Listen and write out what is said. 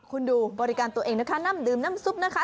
คุณดูบริการตัวเองนะคะน้ำดื่มน้ำซุปนะคะ